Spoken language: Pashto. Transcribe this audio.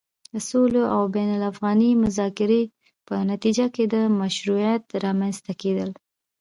د سولې او بين الافغاني مذاکرې په نتيجه کې د مشروعيت رامنځته کېدل